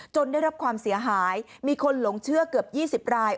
ได้รับความเสียหายมีคนหลงเชื่อเกือบ๒๐ราย